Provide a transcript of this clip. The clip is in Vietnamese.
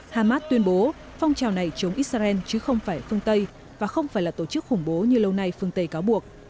hamas tuyên bố phong trào này chống israel chứ không phải phương tây và không phải là tổ chức khủng bố như lâu nay phương tây cáo buộc